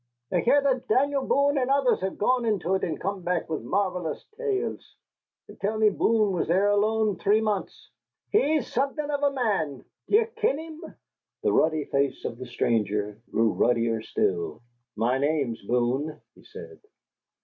I hear that Daniel Boone and others have gone into it and come back with marvellous tales. They tell me Boone was there alone three months. He's saething of a man. D'ye ken him?" The ruddy face of the stranger grew ruddier still. "My name's Boone," he said.